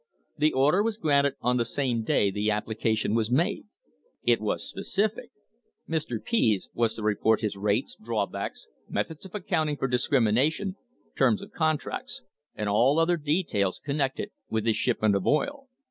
The order was granted on the same day the application was made. It was specific. Mr. Pease was to report his rates, drawbacks, methods of accounting for discrimination, terms of contracts, and all other details connected with his shipment of oil.